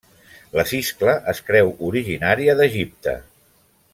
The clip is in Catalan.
La siscla es creu originària d'Egipte.